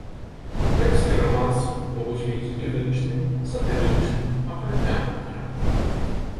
Тэксты раманса могуць мець лірычны, сатырычны, апавядальны характар.